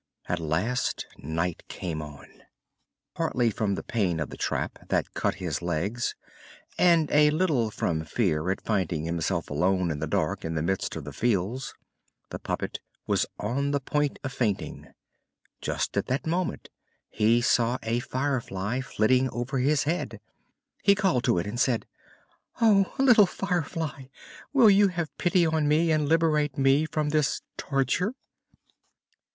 At last night came on. Partly from the pain of the trap, that cut his legs, and a little from fear at finding himself alone in the dark in the midst of the fields, the puppet was on the point of fainting. Just at that moment he saw a Firefly flitting over his head. He called to it and said: "Oh, little Firefly, will you have pity on me and liberate me from this torture?"